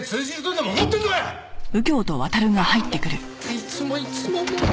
いつもいつももう！